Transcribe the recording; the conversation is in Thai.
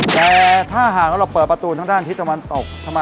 แต่ถ้าหากว่าเราเปิดประตูทางด้านทิศตะวันตก